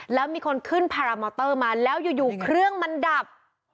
แล้วมีคนขึ้นพารามอเตอร์มาแล้วอยู่เครื่องมันดับ